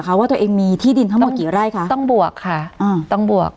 เขาว่าตัวเองมีที่ดินทั้งหมดกี่ไร่คะต้องบวกค่ะอ่าต้องบวก